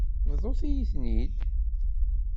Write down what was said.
Bḍut-iyi-ten-id.